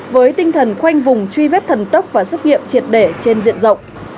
với tinh thần khoanh vùng truy vết thần tốc và xét nghiệm triệt để trên diện rộng